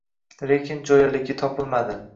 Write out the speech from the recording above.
Lekin jo‘yaligi topilmadi